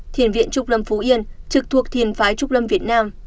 thiền viện trúc lâm phú yên trực thuộc thiền phái trúc lâm việt nam